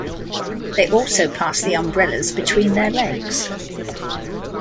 They also pass the umbrellas between their legs.